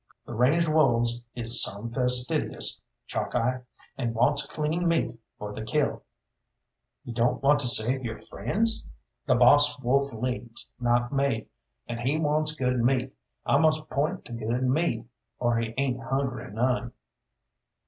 "The range wolves is some fastidious, Chalkeye, and wants clean meat for their kill." "You don't want to save your friends?" "The boss wolf leads, not me, and he wants good meat. I must point to good meat, or he ain't hungry none."